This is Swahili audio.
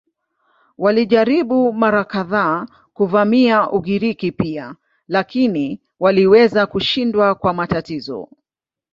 Walijaribu mara kadhaa kuvamia Ugiriki pia lakini waliweza kushindwa kwa matatizo.